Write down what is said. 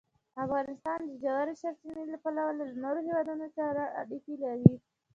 افغانستان د ژورې سرچینې له پلوه له نورو هېوادونو سره اړیکې لري.